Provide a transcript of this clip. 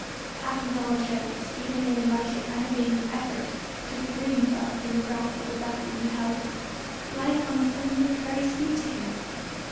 Half involuntarily, Stephen made a mighty unavailing effort to free himself from the grasp of the ruffian who held him; life on a sudden looked very sweet to him.